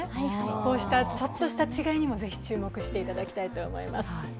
こうしたちょっとした違いにも是非注目していただきたいと思います。